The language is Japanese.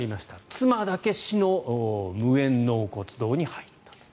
妻だけ市の無縁の納骨堂に入った。